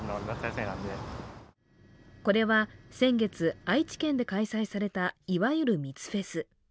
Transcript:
これは先月、愛知県で開催されたいわゆる密フェス。